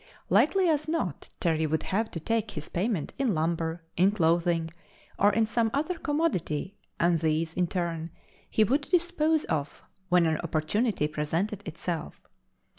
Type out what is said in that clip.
Likely as not, Terry would have to take his payment in lumber, in clothing, or in some other commodity and these, in turn, he would dispose of when an opportunity presented itself.